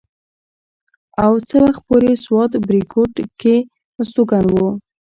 او څه وخته پورې سوات بريکوت کښې استوګن وو